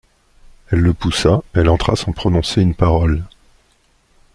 Elle le poussa, elle entra sans prononcer une parole.